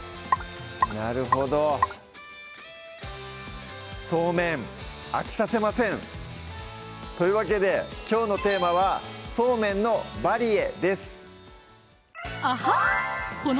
なるほどそうめん飽きさせません！というわけできょうのテーマは「そうめんのバリエ」です